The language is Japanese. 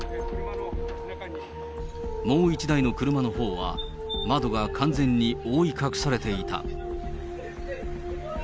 もう１台の車のほうは、窓が完全に覆い隠されていた。